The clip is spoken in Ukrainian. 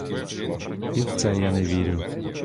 І в це я не вірю.